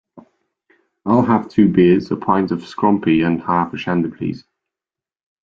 I'll have two beers, a pint of scrumpy and half a shandy please